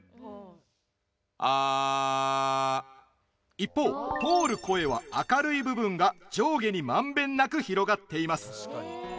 一方、通る声は明るい部分が上下にまんべんなく広がっています。